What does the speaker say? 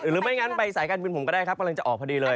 หรือไม่งั้นไปสายการบินผมก็ได้ครับกำลังจะออกพอดีเลย